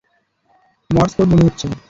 Mars code মনে হচ্ছে।